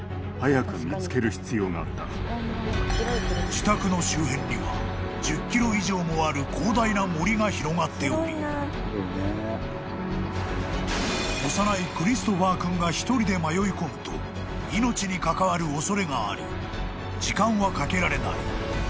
［自宅の周辺には１０ｋｍ以上もある広大な森が広がっており幼いクリストファー君が一人で迷い込むと命に関わる恐れがあり時間はかけられない］